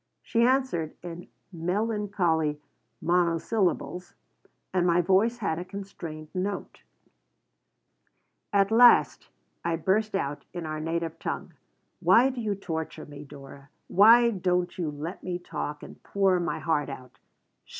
She answered in melancholy monosyllables and my voice had a constrained note At last I burst out, in our native tongue: "Why do you torture me, Dora? Why don't you let me talk and pour my heart out?"